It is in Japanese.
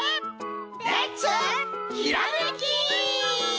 レッツひらめき！